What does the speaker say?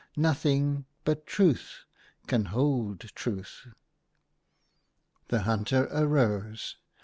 Noth inz but Truth can hold Truth. The hunter arose.